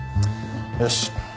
よし。